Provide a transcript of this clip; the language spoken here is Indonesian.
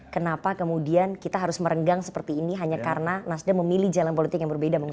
kenapa kemudian kita harus merenggang seperti ini hanya karena nasdem memilih jalan politik yang berbeda